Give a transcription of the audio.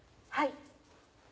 はい。